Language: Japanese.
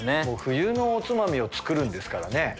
もう冬のおつまみを作るんですからね。